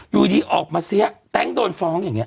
อยู่ดีออกมาเสียแต๊งโดนฟ้องอย่างนี้